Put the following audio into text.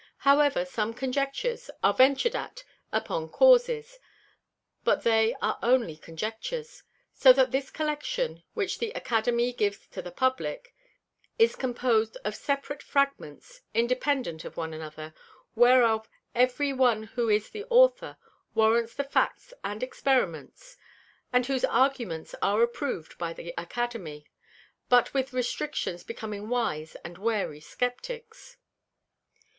However some Conjectures are ventur'd at upon Causes; but they are only Conjectures. So that this Collection, which the Academy gives to the Publick, is compos'd of separate Fragments, independant of one another; whereof every one who is the Author, warrants the Facts and Experiments; and whose Arguments are approv'd by the Academy, but with Restrictions becoming Wise and Wary Scepticks.